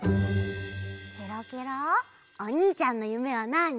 ケロケロおにいちゃんのゆめはなあに？